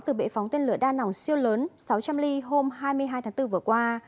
từ bệ phóng tên lửa đa nòng siêu lớn sáu trăm linh ly hôm hai mươi hai tháng bốn vừa qua